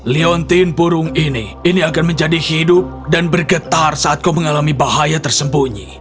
leontin burung ini ini akan menjadi hidup dan bergetar saat kau mengalami bahaya tersembunyi